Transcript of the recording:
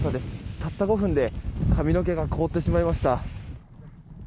たった５分で髪の毛が凍ってしまいました。